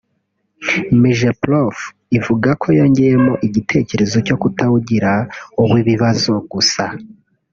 Migeprof ivuga ko yongeyemo igitekerezo cyo kutawugira uw’ibibazo gusa